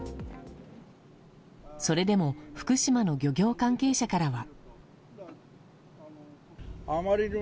それでも福島の漁業関係者からは。